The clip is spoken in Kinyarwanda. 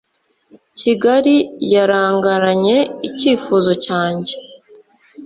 kigali yarangaranye icyifuzo cyanjye,